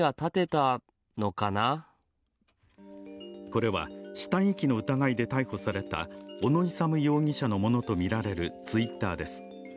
これは死体遺棄の疑いで逮捕された小野勇容疑者のものと見られるＴｗｉｔｔｅｒです。